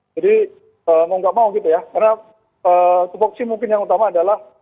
jadi mau nggak mau gitu ya karena kefokusi mungkin yang utama adalah